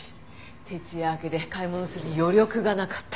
徹夜明けで買い物する余力がなかった。